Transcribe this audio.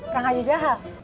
kang haji jahal